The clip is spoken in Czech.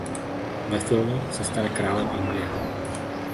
Ve filmu se stane králem Anglie.